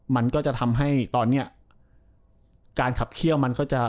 มันก็จะทำให้ตอนเนี้ยการขับเคี่ยวมันก็จะ